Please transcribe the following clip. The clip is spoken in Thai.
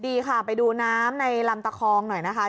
ดีค่ะไปดูน้ำในลำตะคองหน่อยนะคะ